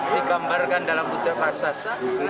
digambarkan dalam bujur pasasa